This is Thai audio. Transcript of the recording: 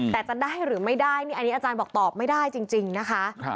แต่จะได้หรือไม่ได้นี่อันนี้อาจารย์บอกตอบไม่ได้จริงนะคะ